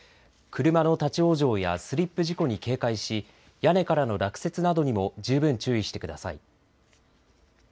車の立往生やスリップ事故に警戒し屋根からの落雪などにも十分注意してください。